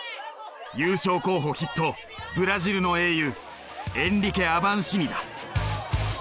優勝候補筆頭ブラジルの英雄エンリケ・アヴァンシニだ。